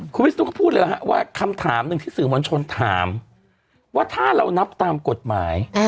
คุณวิศนุก็พูดเลยนะฮะว่าคำถามหนึ่งที่สื่อมวลชนถามว่าถ้าเรานับตามกฎหมาย